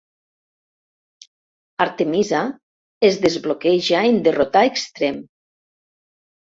Artemisa es desbloqueja en derrotar Extreme.